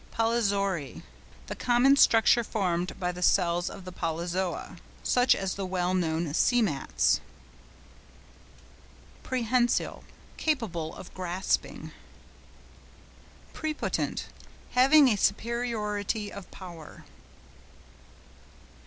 POLYZOARY.—The common structure formed by the cells of the Polyzoa, such as the well known seamats. PREHENSILE.—Capable of grasping. PREPOTENT.—Having a superiority of power.